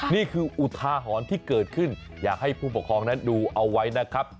อุทาหรณ์ที่เกิดขึ้นอยากให้ผู้ปกครองนั้นดูเอาไว้นะครับ